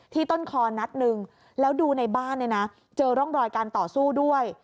ต้นคอนัดหนึ่งแล้วดูในบ้านเนี่ยนะเจอร่องรอยการต่อสู้ด้วย